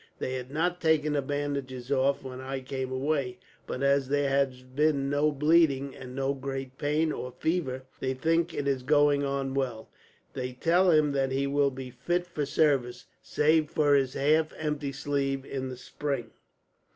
They had not taken the bandages off, when I came away; but as there had been no bleeding, and no great pain or fever, they think it is going on well. They tell him that he will be fit for service, save for his half empty sleeve, in the spring.